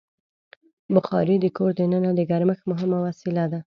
بخاري د کور دننه د ګرمښت مهمه وسیله ده.